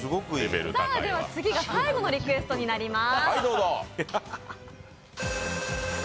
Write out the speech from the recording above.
次が最後のリクエストになります。